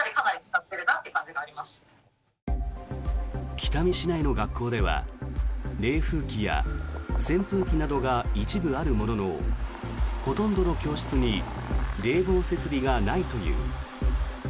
北見市内の学校では冷風機や扇風機などが一部あるもののほとんどの教室に冷房設備がないという。